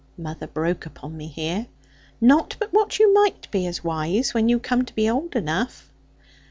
mother broke upon me here; 'not but what you might be as wise, when you come to be old enough.'